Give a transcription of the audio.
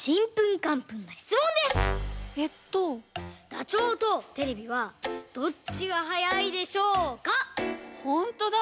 ダチョウとテレビはどっちがはやいでしょうか⁉ほんとだ！